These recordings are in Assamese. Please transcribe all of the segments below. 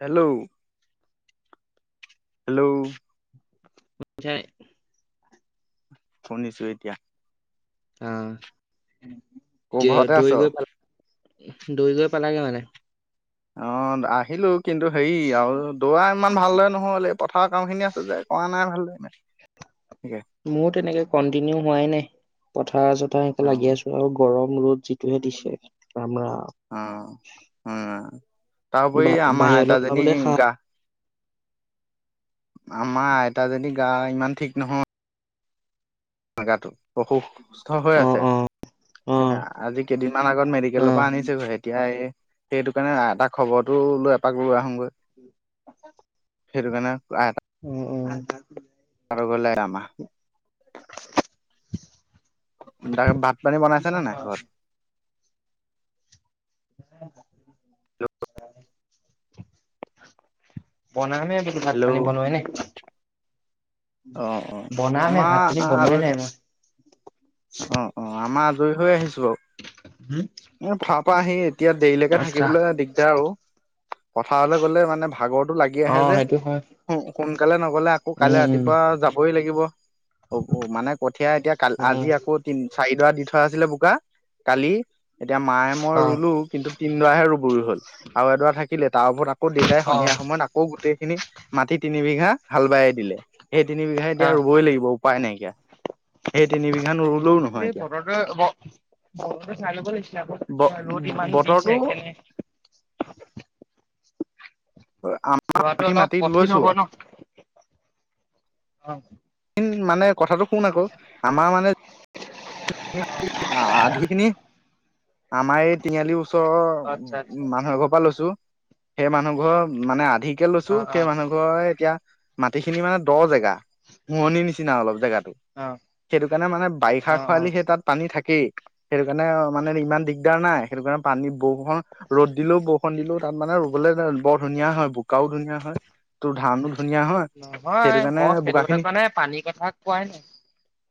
হেল্ল' হেল্ল' শুনিচানাই? শুনিছো এতিয়া। আহ ক ঘৰতে আছ অ দৈ গৈ পালাগে মানে। অ আহিলো কিন্তু হেৰি আৰু দৌৰা ইমান ভালদৰে নহ'ল এই পথাৰৰ কামখিনি আছে যে কৰা নাই ভালদৰে। [inaudible] মোৰো তেনেকে কন্টিনিউ হোৱাই নাই পথাৰ চথাৰ এনে অ। লাগি আছো আৰু গৰম। ৰ'দ যিটোহে দিছে তামাম অ উম! বা তাৰপৰি আমাৰ বাহিৰলৈ আইতাজনী ওলাবলে সাহ গা আমাৰ আইতাজনী গা ইমান ঠিক নহয়। জগাটো অসুুস্থ হৈ অ আছে। অ অ এ আজি কেইদিনমান আগত অ মেডিকেলৰ পৰা আনিছো এতিয়া এই সেইটো কাৰণে এটা খবৰটো লৈ এপাক লৈ আহো। কাৰণে অ অ ই আমা [inaudible] তাকে ভাত পানী বনাইছেনে নাই ঘৰত। বনামে হে বোলো ভাত পানী হেল্ল' বনোৱা নাই। অ', অ', বনাম হে ভাত আমাৰ পানী বনোৱাই আজৰি নাই মই। অ অ আমাৰ আজৰি হৈ আহিছো বাৰু। হুম এ ফাপা আহি এতিয়া দেৰিলৈকে আচ্ছা থাকিবলৈ দিগদাৰ ও। পথাৰলে গলে মানে ভাগৰটো লাগি অ আহে যে সেইটো হয় সোনকালে ন। গলে আকৌ কাইলৈ উম উম ৰাতিপুৱা যাবই লাগিব মানে কঠিয়া এতিয়া ক উম আজি আকৌ তি চাৰিডৰা দি থোৱা আছিলে বোকা কালি। এতিয়া মায়ে মই অ ৰুলো কিন্তু তিনডৰাহে ৰুবৰি হল আৰু এডৰা থাকিলে তাৰ ওপৰত আকৌ। আকৌ দেতাই অ সন্ধিয়া সময়ত আকৌ গোটেইখিনি মাটি তিনিবঘা হাল বাই দিলে। সেই তিনিবঘা এতিয়া আহ ৰুবই লাগিব উপায় নাইকিয়া সেই তিন বিঘান নো এই বতৰতোয়ে ব চাই ল'ব লাগিছিলে আকৌ ব ৰ'দ ইমান দিছে বতৰটো সেই কেনে [inaudible] যোৱাতটো আমি অলপ মাতি কঠিন লৈছো হব ন, অ। মানে কথাটো শুন আকৌ আমাৰ মানে আধি খিনি আমাৰ এই তিনিআলি ও আচ্ছা ওচৰৰ আচ্ছা মানুহৰ ঘৰৰ পৰা লৈছো সেই মানুহ ঘৰ মানে আধিক কে অ লৈছো অ সেই মানুহ ঘৰে এতিয়া গোটেইখিনি মানে দ জেগা মুৰণিৰ নিচিনা অলপ জেগাটো, অ সেইটো কাৰণে মানে বাৰিষা। অ অ খোৱালি সেই তাত পানী থাকেই সেইটো কাৰণে মানে ইমান দিগদাৰ নাই সেইটো কাৰণে পানী বৰষুণ ৰ'দ দিলেও বৰষুণ দিলেও তাত মানে ৰুবলৈ বৰ ধুনীয়া হয় বোকাও ধুনীয়া হয় তো নহয় মই বোকা সেইটো খিনি কথা কোৱা নাই পানীৰ কথা কোৱাই নাই।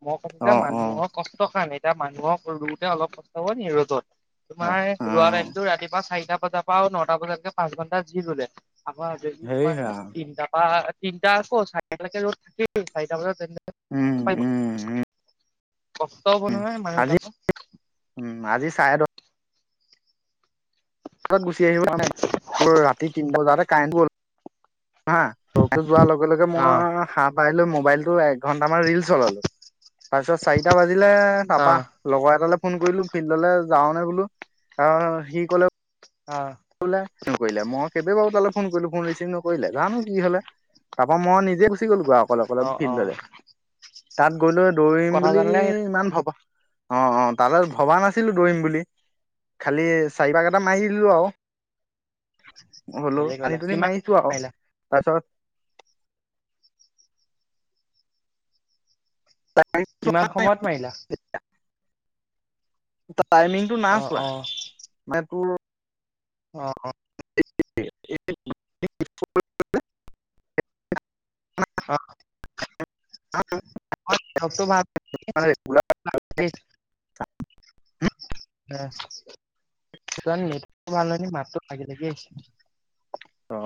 মই কৈছোঁ যে অ অ মানুহৰ কষ্ট কাৰণে এতিয়া মানুহক ৰুওঁতে অলপ কষ্ট নহয় নি ৰ'দত। তোমাৰ অ ৰোৱা টাইমতটো ৰাতিপুৱা চাৰিটা বজাৰ পৰা নটা বজাতকে পাঁচ ঘণ্টা যি ৰুলে। আমাৰ যদি হেৰি তোমাৰ ৰাম তিনটা পৰা তিনিটা আকৌ চাৰিটালৈকে ৰ'দ থাকেই চাৰিটা বজাত তে উম উম উম। কষ্ট হব নহয় আজি মানুহবিলাকৰ। উম আজি চাৰে দহ। বজাত গুচি আহিব মানে তোৰ ৰাতি তিনিটা বজাতে কাৰেণ্ট গ'ল হা তহঁতি যোৱাৰ লগে লগে অ মই হাৰ পাই লৈ মোবাইলটো। এ ঘণ্টামান ৰিল চলালো। তাৰ পিছত চাৰিটা বাজিলে অ তাপা লগৰ এটালৈ ফোন কৰিলো ফিল্ডলে যাওঁ নে বোলো, আহ সি ক'লে অ ফোন কৰিলে মই সেইটো বাৰু তালে ফোন কৰিলো ফোন ৰিচভ নকৰিলে জানো কি হলে। তাৰ পৰা মই নিজে গুচি গলো আৰু। অকলে অকলে অ অ অ ফিল্ড হলে, তাত গৈ লৈ দৌৰিম কথা বুলি জানিলে ইমান ভবা অ অ তালৈ ভবা নাছিলো দৌৰিম বুলি, খালি চাৰিবাঁ কেইটা মাৰি দিলোঁ আৰু। হ'লো ভালেই কৰিলা আনি তোনি কিমান মাৰিছো আৰু মাৰিলা তাৰ পিছত কিমান সময়ত মাৰিলা? টাইমিংটো নাই অ', চোৱা, অ', মানে তোৰ অ [unintelligible] অ অ [unintelligible] তোমাৰ নেটো ভাল নহয় নেকি মাতটো লাগ লাগি অ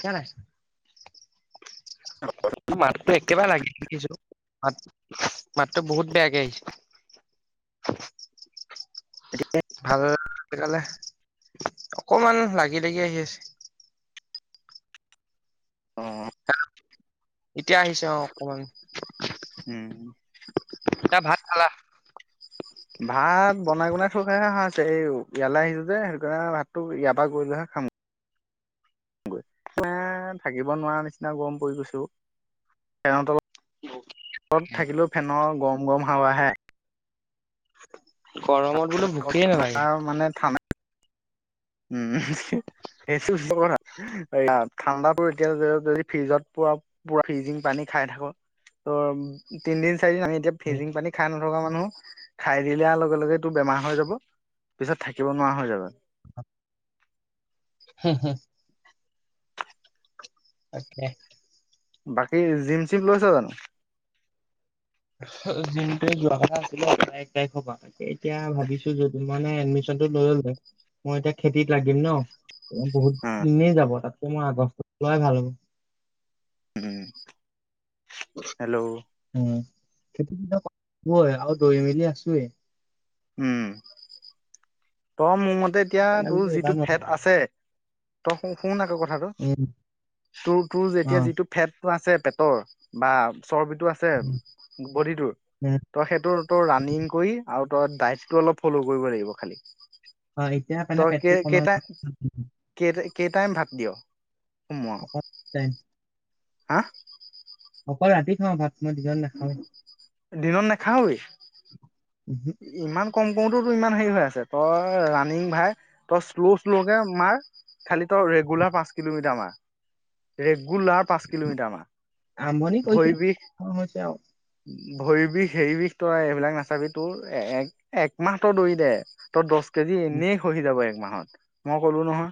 কেনে [unintelligible] মাততো একেবাৰে লাগি লাগি আহিছে মাত মাতটো বহুত বেয়াকে আহিছে। ভাল সেকানে অকমান লাগি লাগি আহি আছে অ এতিয়া আহিছে অ অকমান উম এতিয়া ভাত খালা? ভাত বনাই বনাই থৈহে অহা হৈছে এই ইয়ালৈ আহিছো যে সেইটো কাৰণে ভাতটো ইয়াৰ পৰা গৈ লৈহে খাম। এ থাকিব নোৱাৰা নিচিনা গৰম পৰি গৈছো অ ফেনৰ তলত তলত থাকিলেও ফেনৰ গৰম গৰম হাৱা আহে। গৰমত বুলো ভুকে ঠাণ্ডা নালাগে। মানে ঠাণ্ডা উম সেইটো কথা ঠাণ্ডা এতিয়া যদি ফ্ৰিজত পৰা পুৰা ফ্ৰিজিং পানী খ খাই থাকো ত' তিনদিন চাৰিদিন আমি এতিয়া উম, ফিজিং পানী খাই নথকা আ মানুহ খাই দিয়াৰ লগে লগে টোৰ বেমাৰ হৈ যাব পিছত থাকিব নোৱাৰা হৈ যাবা। হম হম তাকে বাকী জিম চিম লৈছ জানো? জিমটো যোৱা নাছিলো এ এক তাৰিখৰ পৰা এতিয়া ভাবিছো যে তোমাৰ এডমিশনটো লৈ ললে মই এতিয়া খেতিত লাগিম ন বহুত উম দিনেই যাব তাত মই আগষ্টত খোলাই ভাল হ'ব। উম হেল্ল' উ, [unintelligible] আৰু দৈ মেলি আছোৱেই। উম। তই মোৰ মতে এতিয়া সেইকাৰণে তোৰ বোলো যিটো এইবাৰ ন ফেট আছে, তই শ শুন আকৌ কথা ক উম তোৰ তোৰ অ যেতিয়া যিটো ফেটটো আছে পেটৰ বা চৰ্বিটো আছে বডিটোৰ। তই সেইটো তোৰ ৰাণিং কৰি আৰু তই ডাইটটো অলপ ফ'ল' কৰিব লাগিব খালি। অ এতিয়া মানে তই পেটটো কমা কে-কেইটা-কেই-কেই টাইম ভাত দিয়? সোমোৱা অলপ টাইম, হা অকল ৰাতি খাওঁ ভাত মই দিনত নাখাৱেই দিনত উহু নাখাওৱেই ইমান কম কৰোতে তো ইমান হেৰি হৈ আছে তই ৰাণিং ভাই তই শ্ল' শ্ল'কে মাৰ খালি তো ৰেগুলাৰ পাঁচ কিলোমিটাৰ মাৰ ৰেগুলাৰ পাঁচ কিলোমিটাৰ মান আৰম্ভণি কৰিছোহে ভৰি বিষ খোৱা হৈছে আৰু ভৰি বিষ হেৰি বিষ তই এইবিলাক নাচাবি তোৰ একমাহ তই দৌৰি দে তই দহ কেজি এনেই খহি যাব এক মাহত মই ক'লো নহয়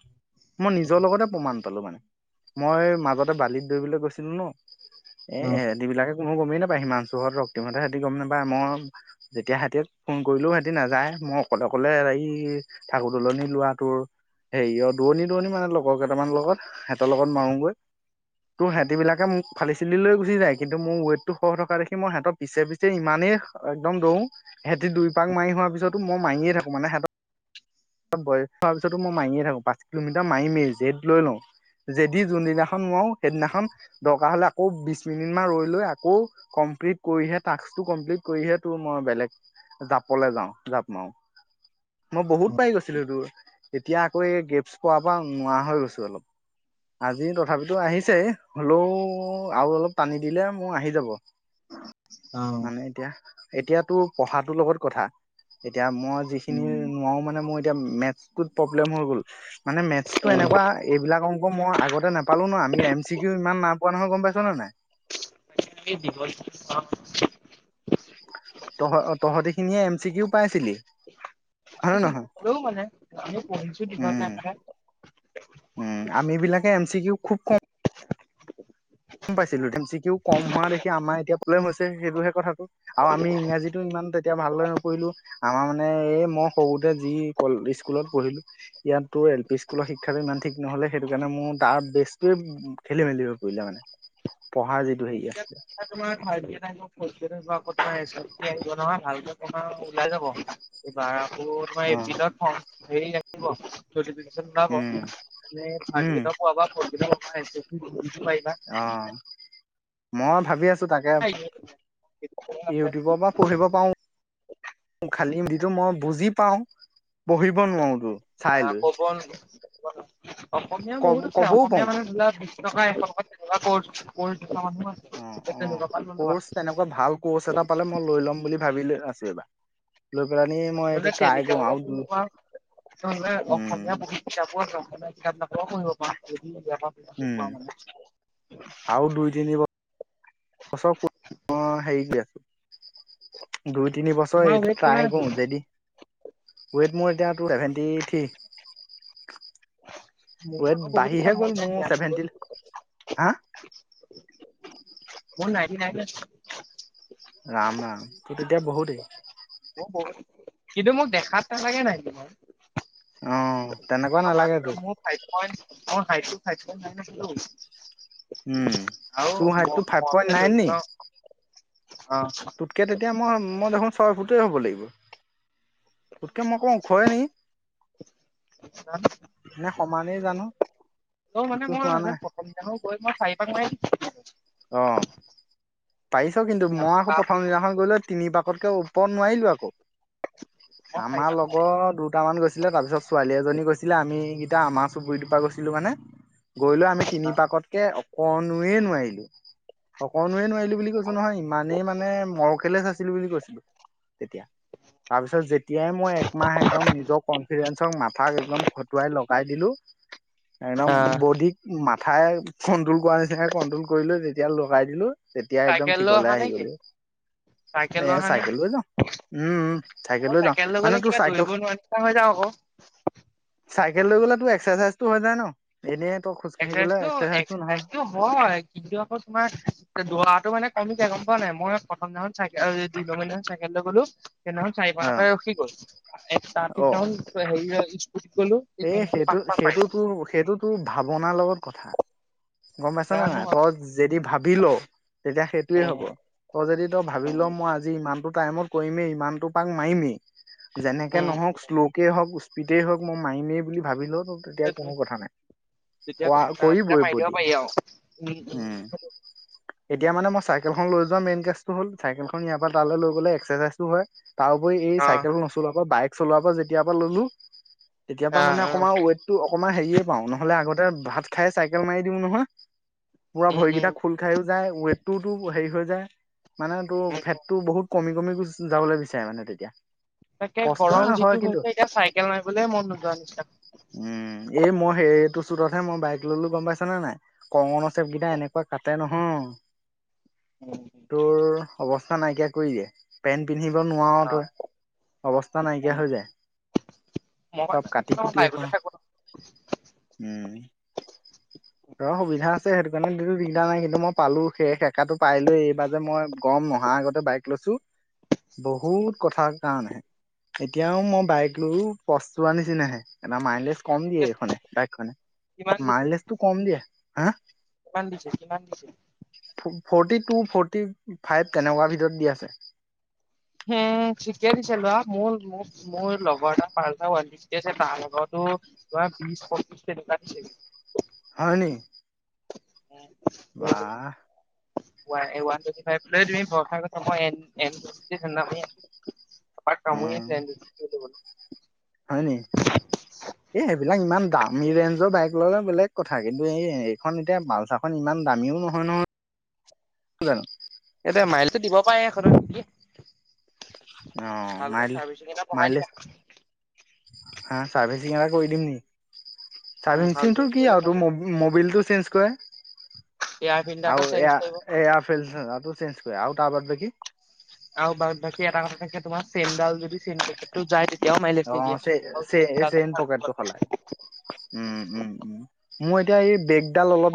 মই নিজৰ লগতে প্ৰমাণ মই মাজতে বালিত দৰিবলৈ গৈছিলো ন অ এহেতি বিলাকে, কোনো গমেই নাপায় সীমান্ত ৰক্তিমহতে সেতি গম নাপায় মই যেতিয়া সিহতিক ফোন কৰিলো হিহতি নাযায় মই অকলে অকলে এই ঠাকুৰ দলনি লৰাটোৰ হেৰি অ দৰণি দৰণি মানে লগৰ কেইটামান লগত হহঁতৰ লগত মাৰোগৈ তোৰ সিহঁতিবিলাকে মোক ফালি চিলি লৈ গুচি যায় কিন্তু মোৰ ৱেইটটো সৰু থকা দেখি মোৰ সিহতৰ পিছে পিছে ইমান একদম দৌৰো সিহঁতি দুই পাক মাৰি হোৱাৰ পিছতো মই মাৰিয়ে থাকো মানে হেঁতক বয়স হোৱাৰ পিছতো মই মাৰিয়ে থাকো পাঁচ কিলোমিটাৰ মাৰিমেই জেদ লৈ লওঁ জেদি যোনদিনাখন নোৱাৰো সেইদিনাখন দৰকাৰ হলে আকৌ বিশ মিনিট মান ৰৈ লৈ আকৌ কম কমপ্লিত কৰিহে তাস্কটো কমপ্লিত কৰিহে তোৰ মই বেলেগ জাপলে যাওঁ জাপ মাও মই অ বহুত পাৰি গৈছিলো তোৰ এতিয়া আকৌ এই গেপছ পৰা নোৱাৰা হৈ গৈছো অলপ। আজি তথাপিতো আহিছেই হলেও আৰু অলপ টানী দিলে মোৰ আহি যাব অ মানে এতিয়া এতিয়াতো পঢ়াটোৰ লগত কথা এতিয়া মই যিখিনি নোৱাৰো মানে মোৰ এতিয়া মেটছটোত প্ৰব্লেম হৈ গ'ল। মানে মেটছটো এনেকুৱা এইবিলাক অং হ'ব মই আগতে নাপালো না। আমি এম চি কিউ ইমান না পোৱা নহয়। গম পাইছ নে নাই? [unintelligible] তহঁ তহঁতি খিনিয়ে এম চি কিও পাইছিলি? হয় নে পাইছিলোঁ। নহয় হলেও মানে আমি পঢ়িছোঁ যিকন উম টাইম থাকে। উম আমি এই বিলাকে এম চি কিও খুব কম গম পাইছিলো, এম চি কিও কম হোৱা দেখি আমাৰ এতিয়া প্ৰব্লেম হৈছে। সেইটোহে কথাটো আৰু আমি ইংৰাজীটো ইমান তেতিয়া ভালদৰে নপঢ়িলো। আমাৰ মানে এই মই সৰুতে যি ক স্কুলত পঢ়িলো ইয়াত তোৰ এল পি স্কুলৰ শিক্ষাটো ইমান ঠিক নহলে। সেইটো কাৰণে মোৰ তাৰ বেছটোৱে খেলি মেলি হৈ পৰিলে মানে। পঢ়া যিটো হেৰি এতিয়া আছিল তোমাৰ থাৰ্ড গ্ৰেড আহিব, ফৰ্ড গ্ৰেড আহিব। আকৌ তোমাৰ [unintelligible] আহিব নহয়। ভালকে পঢ়া ওলাই যাব। এই বাৰ আকৌ তোমাৰ ফৰ্ম অ এপ্ৰিলত হেৰি আহিব [unintelligible] উম [unintelligible] মানে থাৰ্ড উম গ্ৰেডৰ পোৱা বা ফৰ্ড গ্ৰেডৰ পোৱা [unintelligible] পাৰিবা। অ মই ভাবি আছ তাকে ইউটিবৰ পা পঢ়িব পাৰোঁ, খালি [unintelligible] এইটো মই বুজি পাওঁ, পঢ়িব নোৱাৰো। তো চাই লৈ কব অসমীয়া ক বহুত আছে কবও পাৰো অসমীয়া মানে ধৰি লোৱা এশ টকাত, এশ টকাত তেনেকুৱা কৰ্চ কৰিছোঁ। অ-অ কৰ্চ তেনেকুৱা ভাল কৰ্চ এটা পালে মই লৈ ল'ম বুলি ভাবি আছো এইবাৰ। লৈ পেলানি মই এইটো নহলে ট্ৰাই কৰো টেলিগ্ৰামৰ পৰা আৰু পঢ়িব দুই পাৰ। নহলে উম আসমীয়া বহি কিতাপবোৰ [unintelligible] [unintelligible] পঢ়িব পাৰ যদি উম [unintelligible] [unintelligible] হেৰিকে দুই তিনি বছৰ তোমাৰ এইটো ৱেট কিমান ট্ৰাই আছিল? কৰোঁ, জেদী ৱেইট মোৰ এতিয়া টোৰ চেভেটি থ্ৰী। মোৰ ৱেইট ভাগৰ বহুত আছে বাঢ়িহে মোৰ গ'ল এতিয়া ছেভেন্টি নিৰানব্বৈ হা [unintelligible] মোৰ নাইন টি নাইন আছে। ৰাম, ৰাম। তোৰো তেতিয়া বহুতেই। কিন্তু মোক দেখাত নালাগে নাই তোমাৰ। অ। মোৰ তেনেকুৱা নালাগে ফাইফ তোক, মোৰ হাইটটো ফাইভ পইন নাইন আছিলে অও। উম। আৰু তোৰ হাইটটো ফাইভ ম-মই পইণ্ট বোলে নাইন নি? দৌৰিব [unintelligible] তোতকে তেতিয়া মই-মই দেখোন ছয় ফুটে হ'ব লাগিব। তোতকে মই অকন ওখই নিকি? নে সমানেই জানো? ত মানে জোখটো চোৱা মই নাই। প্ৰথম দিনা গৈ মই চাৰি পাক মাৰি অ, পাৰিছ কিন্তু। মই আকৌ প্ৰথম দিনাখন গৈ লৈ তিনি পাকত কে ওপৰত নোৱাৰিলো আকৌ। মই আমাৰ লগত দুটামান গৈছিল। আছিলে তাৰপিছত ছোৱালী এজনী গৈছিলে। আমি গিতা আমাৰ চুবুৰিটোৰ পৰা গৈছিলো মানে। গৈ লৈ আমি তিনি চাৰিপাক পাকতকে অকণোৱে নোৱাৰিলো। অকনোৱে নোৱাৰিলো বুলি কৈছো নহয়, ইমানেই মানে মৰকেলেচ আছিলো বুলি কৈছিলো। তেতিয়া। তাৰ পিছত যেতিয়াই মই একমাহ একদম নিজৰ কনফিডেঞ্চক, মাথাক একদম খটুৱাই লগাই দিলো। [inaudible] একদম বডিক মাথাই কন্ট্ৰল কৰা নিচিনাকে কন্ট্ৰল কৰি লৈ যেতিয়া লগাই দিলো এতিয়া একদম চাইকেল লৈ ঠিকলে অহা আহি নেকি গলোঁ, চাইকেল এ লৈ অহা নেকি চাইকেল যাও। উম-উম, মই থাকিলেও যাওঁ, চাইকেল লৈ মানে গ'লে তোৰ কিবা দৌৰিব নোৱাৰা নিচিনা হৈ যাওঁ আকৌ চাইকেল [unintelligible] কেল লৈ গ'লে তোৰ এক্সাৰচাইজটো হৈ যায় ন? এনেই তই খোজকাঢ়ি গ'লে এক্সাৰচাইজটো নহয় এক্সাৰচাইজটো-এক্সাৰচাইটো হয়, কিন্তু আকৌ তোমাৰ দ'ৰাটো মানে কমি যায়, গম পোৱা নাই? মই প্ৰথম দিনাখন চা দুই নম্বৰ দিনাখন চাইকেল লৈ গলোঁ। সেই দিনাখন চাৰি [unintelligible] অ ৰখি গ'ল, তাৰ পিছদিনাখন হেৰি স্কুটিত গ'লো এ পিছদিনাখন সেইটো, পাঁচশ পাৰিলোঁ সেইটোতোৰ-সেইটোতোৰ ভাৱনাৰ লগত কথা। গম পাইছ নে জানো নাই? আৰু তই যদি ভাবি লঃ তেতিয়া সেইটোয়ে হ'ব। তই যদি তই ভাবি লঃ মই আজি ইমানতো টাইমত কৰিমেই, ইমানটো পাক মাৰিমে, যেনেকে উম নহওঁক শ্বলো কে হওঁক, স্পিদে হওঁক মাৰিমেই বুলি ভাবিলহ তেতিয়া কোনো কথা নাই। তেতিয়া কোৱা। কোনো কোৱা কথা নাই তেতিয়া কৰিবই মাৰি দিব প্ৰদী। পাৰি আৰু উম, উম এতিয়া মানে মই চাইকেল এইখন লৈ যোৱা মেইন কেচটো হ'ল চাইকেলখন ইয়াৰ পৰা তালে লৈ গ'লে এক্সেৰচাইজটো হয়। তাৰ উপৰি এই অ চাইকেল নচলোৱাৰ পৰা বাইক চলোৱাৰ পৰা যেতিয়াৰ পৰা ল'লো তেতিয়া পা অ মানে অ অকমা ৱেটটো অ অকমান হেৰিয়ে পাওঁ, নহ'লে আগতে ভাত খাই চাইকেল মাৰি দিওঁ নহয়। পুৰা উম উম ভৰিকেইটা উম খোল খাইয়ো যায়, ৱেটতোওটো হেৰি হৈ যায় মানে তোৰ ফেটটো বহুত কমি [unintelligible] যাবলে বিচাৰে মানে তেতিয়া। তাকে কষ্ট গৰম হয় যিটো কিন্তু হৈছে এতিয়া চাইকেল মাৰিবলে মন নোযো উম, এই মই সেইটো চোতটহে মই বাইক ল'লো, গম পাইছ নে নাই? কৰঙনৰ চেপকেইটা এনেকুৱা কাটে নহয়। তোৰ অৱস্থা নাইকিয়া কৰি দিয়ে। পেন পি পিন্ধিব নোৱাৰ অ তই, অৱস্থা নাইকিয়া হৈ যায়। মই চব কাটি কুটি এখন, বাইকতে থাকো উম। ৰ সুবিধা আছে সেইটো কাৰণেটো দিগদাৰ নাই, কিন্তু মই পালো। সেই সেকাটো পাই লৈ এইবাৰ যে মই গম নহা আগতে বাইক লৈছো বহুত কথা কাৰণেহে। এতিয়াও মই বাইক লৈও পস্তোৱাৰ নিচিনাহে, এটা মাইলেজ কম দিয়ে, এইখনে বাইকখনে, কিমান দিছে মাইলেছ হা' কিমান দিছে কিমান দিছে? ফ'ৰ্টি টু, ফৰ্টি ফাইভ তেনেকুৱা ভিতৰত দি আছে। হে ঠিকে দিছে ল'ৰা, মোৰ মোক মোৰ লগৰ এটা পালছাৰ ওৱান ফিফটি আছে তাৰ লগতো বিশ পঁচিশ তেনেকুৱা দিছে গে। হয়নি? বাহ! ৱা এ ৱানটুৱেণ্টি ফাইভটো লৈ তুমি ভয় খাই গৈছা, মই এ এন টি ধান্দা মাৰি আছো। উম, হয়নি? এ সেইবিলাক ইমান দা মী ৰেঞ্জৰ বাইক ল'লে বেলেগ কথা, কিন্তু এই এইখন এতিয়া পালচাৰখন ইমান দামীও নহয় নহয়। কি জান? এতিয়া মাইলটো [unintelligible] অঁ ভালকে মাইল, চাৰ্ভিচিং এটা বঢ়াই মাইলে দিবা হা চাৰ্ভিচিং এটা কৰি দিম নি? উম চাৰ্ভিচিং চাৰ্ভিংচিংটো কি কৰিলে আও ভাল তোৰ ম-মবিলটো চেঞ্জ কৰে। এয়াৰ ফিল্টাৰটো আও চেঞ্জ এয়া কৰিব এয়া [unintelligible] টো চেঞ্জ কৰে। আও তাৰ বাবে কি? আও বা বাকী এটা কথা কি তোমাৰ চেইনডাল যদি চেন [unintelligible] টোত যায় তে অ চে-চে এ চেন ভাল পকেটটো সলাই, উম-উম-উম। মই এতিয়া এই বেগ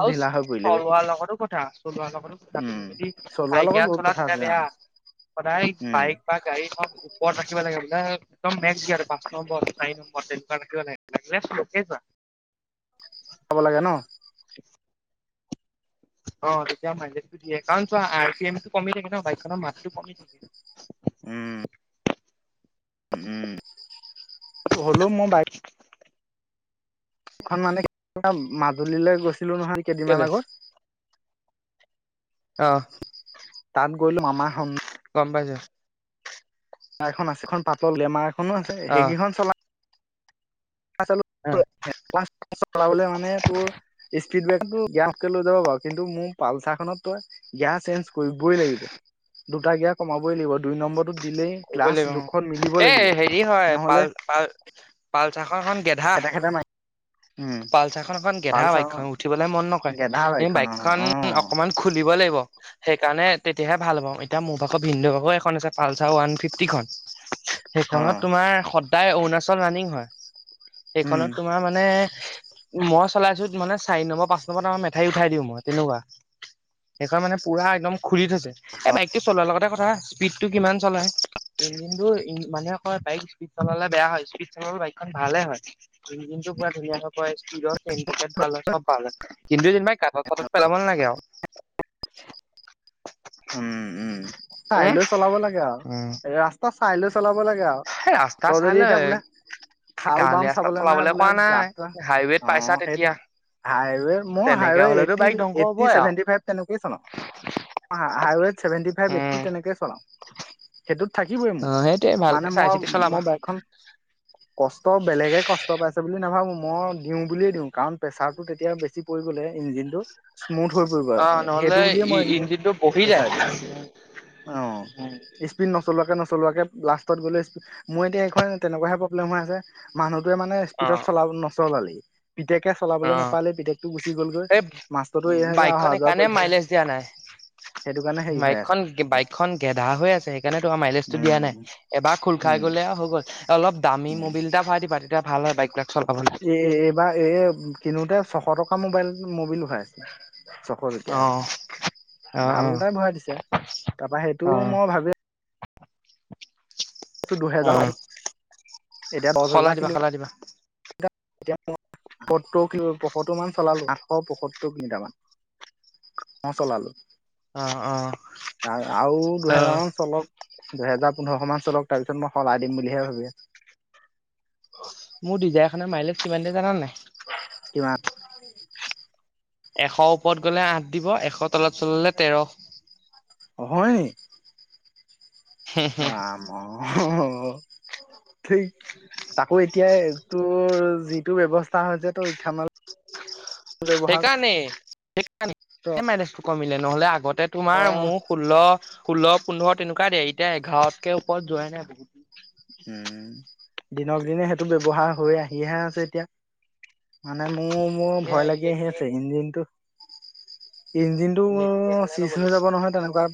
আৰু চলোৱাৰ লগতো কথা, চলোৱাৰ লগতো কথা। উম। তুমি যদি চলোৱাৰ লগত [unintelligible] বহুত চলা কথা তেতিয়া আছে অ'। বেয়া। সদায় উম, বাইক বা গাড়ীখন ওপৰত ৰাখিব লাগে বুজি [unintelligible] একদম মেক্স গেয়াৰ পাঁচ নম্বৰ, চাৰি নম্বৰ তেনেকুৱা ৰাখিব লাগে। লাগিলে শ্লকে যোৱা। চাব লাগে ন? অহ তেতিয়া মাইলেজটো দিয়ে কাৰণ চোৱা আৰু চি এম টো কমি থাকে ন বাইকখনৰ মাতটো কমি থাকে উম উম হলো মই বাইক এখন মানে মাজুলীলৈ গৈছিলো নহয় কেইদিনমান কেলে আগত অহ তাত গৈলো আমাৰ [unintelligible] গম পাই যায়। ইয়াৰ এখন আছে এখন পাতল, গ্লেমাৰ এখনো আছে অ সেইকেইখন চলা অ লাবলৈ মানে তোৰ [unintelligible] ফিডবেকতো গেৰাচক লৈ যাব বাৰু কিন্তু মোৰ পালচাৰখনত তই গেয়াৰ চেঞ্জ কৰিবই লাগিব দুটা গিয়াৰ কমাবই লাগিব দুই নম্বৰত দিলেই কৰিবই ক্লাছ লাগিব অ। জোখত মিলিব এ লাগিব। হেৰি নহলে পালচাৰখন গেধা, খেদা খেদা মাৰি উম। পালছাখন এখন গেধা পালচাৰ বাইকখন উঠিবলৈ মন নকৰে গেধা এই অ', বাইকখন অ', অকমান খুলিব লাগিব সেইকাৰণে তেতিয়াহে ভাল পাওঁ এতিয়া মোৰ ভাগৰ ভিনদেও ভাগৰ এখন আছে পালচা ওৱান ফিফটিখন সেইখনত অ'। তোমাৰ সদায় অৰুণাচল ৰাণিং হয়, উম সেইখনত তোমাৰ মানে মই চলাইছো মানে চাৰি নম্বৰ, পাঁচ নম্বৰ মেঠাই উঠাই দিওঁ মই তেনেকুৱা সেইখন মানে পুৰা একদম খুলি থৈছে, এ বাইকটো চলোৱাৰ লগতে কথা স্পীডটো কিমান চলাই। ইঞ্জিনটো মানে কয় বাইক স্পীড চলালে বেয়া হয় স্পীড চলালে বাইকখন ভালে হয়, ইঞ্জিন ইঞ্জিন পোৰাধুনীয়াে হৈ পৰে স্পীদত চেনইস্প ভাল হয় চব ভাল হয় কিন্তু যেনেবা গাতঁ চাটত পেলাব নালাগে আৰু উম- উম চাই উম লৈ চলাব লাগে আৰু, উম ৰাস্তা চাই লৈ চলাব লাগে আৰু এই ৰাস্তা তই চাই যদি লৈ এতিয়া বোলে খাল বাম গাঁৱলীয়া ৰাস্তাত চাবলে নাই চলাবলৈ বোলে কোৱা নাই গাতা, হাইৱেত অহ পাইছা সেইটো তেতিয়া হাইৱে মই তেনেকে হাইৱে এই হলেতো বাইক ধ্বংস এইটটি হবই আৰু চছেভেনটি ফাইভ তেনেকেই চলাও হাইৱে চেভেনতি ফাইভ উম এইটিট তেনেকে চলাও সেইটোত থাকিবই অ মোৰ সেইটোৱে ভালকে মানে চাই মই চিতি চলাবা মই বাইকখন কষ্ট বেলেগে কষ্ট পাইছে বুলি নাবোঁ মই দিওঁ বুলিয়েই দিওঁ কাৰণ প্ৰেছাৰটো তেতিয়া বেছি পৰি গ'লে ইঞ্জিনটোত ইস্মুথ হৈ পৰিব অ নহলে সেইটো বুলিয়ে ই মই এইকেইদিন ইঞ্জিনটো বহি যায়। প্ৰেচাৰ দিয়া অহ স্পীড নচলে নচলোৱাকে নচলোৱাকে লাষ্টত বোলে মই এতিয়া এইখন তেনেকুৱা হে প্ৰবলেম হৈ আছে যে মানে অ স্পীডত চলা নচলালি পিতেকে অ চলাবলৈ নাপালে পিতেকটো গুচি গলগৈ এই মাষ্টৰটো ইয়ালে অহা বাইকখন যোৱা সেইকাৰণে কৰি থাকে মাইলেজ দিয়া নাই সেইটো কাৰণে। হেৰি হৈ আছে বাইকখন- বাইকখন গেধা হৈ আছে সেইকাৰণে তোমাৰ মাইলেজটো দিয়া নাই উম। এবাৰ খোল খাই উম, গ'লে হৈ অলপ দামী মবিল এটা ভৰাই দিবা তেতিয়া ভাল হয় বাইক। এ এইবাৰ এই কিনোতে ছশ টকা মোবাইল মবিল ভৰাইচে ছশটকীয়া অ অ এটা। অ ভালটাই ভৰাই দিছো তাৰপা সেইটো অ মই ভাবো [unintelligible] অ দুহেজাৰ এতিয়া দহ সলাই হেজাৰ দিবা, কিলো সলাই দিবা। এতিয়া মই পসত্তৰ, পয়সত্তৰ মান চলালো আঠশ পয়সত্তৰ কিমিটাৰমান [unintelligible] মই চলালো অ অ আৰু অ দুহেজাৰ মান চলক দুহেজাৰ -পোন্ধৰশ মান চলক তাৰ পিছত মই সলাই দিম বুলিহে ভাবি আছো মোৰ ডিজাই খনে মাইলেচ কিমান দিয়ে জানা নাই? কিমান? এশ ওপৰত গলে আঠ দি'ব, এশ তলত চলালে তেৰ। অ হয়নি? ৰাম অ, ঠিক তাকো এতিয়া ত যিটো ব্যৱস্থা হৈছে তো ইথানল ব্যৱহাৰ সেইকাৰণেই সেইকাৰনে মাইলেজটো কমিলে নহলে আগত তাতে তোমাৰ কৰা মোৰ ষোল্ল ষোল্ল পোন্ধৰ তেনেকা দি এতিয়া এঘাৰতকে ওপৰত যোৱাই নাই বহুত উম দিনক দিনে সেইটো ব্যৱহাৰ হৈ আহিহে আছে এতিয়া। মানে মোৰ মোৰ বহুতকে ভয় লাগি আহি ইলেক্ট্ৰিক আছে ইঞ্জিনটো ইঞ্জিনতটো ইলেক্ট্ৰিক এখনে ল'ব চিইচ লাগিব। হৈ যাব নহয় তেনেকুৱা